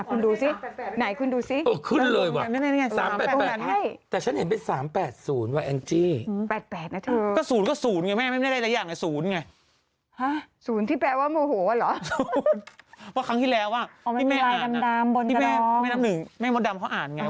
คุณดูสิไหนคุณดูสิลงมานี่ไงลงมานี่ไงลงมานี่ไงลงมานี่ไงลงมานี่ไง